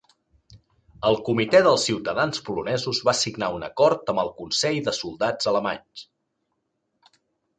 El Comitè dels ciutadans polonesos va signar un acord amb el Consell de Soldats alemanys.